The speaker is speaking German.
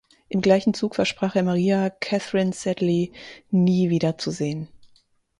Im gleichen Zug versprach er Maria, Catherine Sedley nie wiederzusehen.